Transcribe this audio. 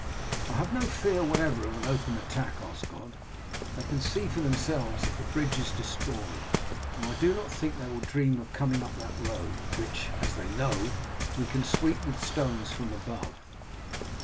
"I have no fear whatever of an open attack, Osgod. They can see for themselves that the bridge is destroyed, and I do not think they will dream of coming up that road, which, as they know, we can sweep with stones from above.